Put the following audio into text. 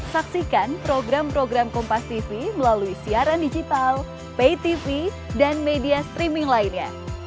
saksikan program program kompastv melalui siaran digital paytv dan media streaming lainnya